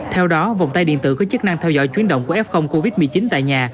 theo đó vòng tay điện tử có chức năng theo dõi chuyến động của f covid một mươi chín tại nhà